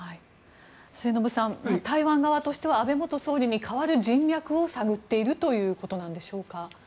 末延さん、台湾側としては安倍元総理に代わる人脈を探っているということなんでしょうか。